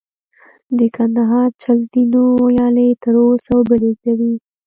د کندهار چل زینو ویالې تر اوسه اوبه لېږدوي